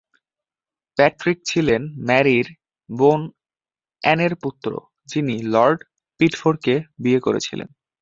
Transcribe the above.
Patrick ছিলেন ম্যারির বোন অ্যানের পুত্র, যিনি লর্ড পিটফোরকে বিয়ে করেছিলেন।